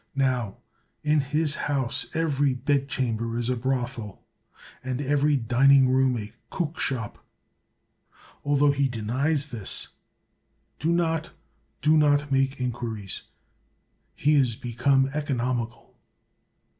Now in his house every bedchamber is a brothel, and every dining room a cookshop. Altho he denies this — do not, do not make in quiries: he is become economical.